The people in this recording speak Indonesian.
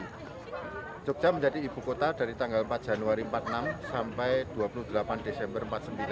yogyakarta menjadi ibu kota dari tanggal empat januari seribu sembilan ratus empat puluh enam sampai dua puluh delapan desember seribu sembilan ratus empat puluh sembilan